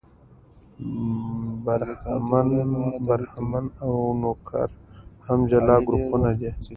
برهمن او نوکر هم جلا ګروپونه دي.